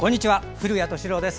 古谷敏郎です。